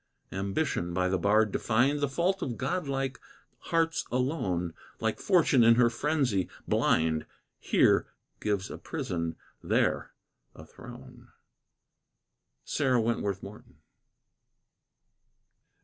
Ambition, by the bard defined The fault of godlike hearts alone, Like fortune in her frenzy, blind, Here gives a prison, there a throne. SARAH WENTWORTH MORTON.